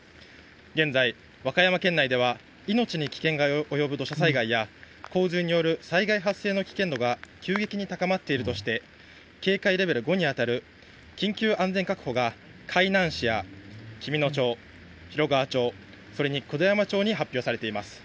現在、和歌山県内では命に危険が及ぶ土砂災害や、洪水による災害発生の危険度が急激に高まっているとして、警戒レベル５に当たる緊急安全確保が海南市や紀美野町、広川町、それに九度山町に発表されています。